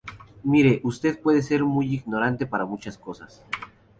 mire, usted puede ser muy ignorante para muchas cosas